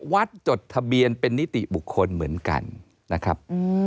จดทะเบียนเป็นนิติบุคคลเหมือนกันนะครับ